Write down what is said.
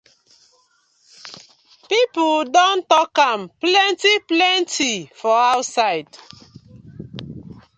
Pipu don tok am plenty plenty for outside.